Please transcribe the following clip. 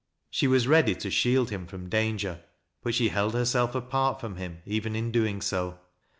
She was ready to shield him from danger, but she held herself apart from him even in doing BO.